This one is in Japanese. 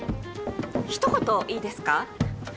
一言いいですか？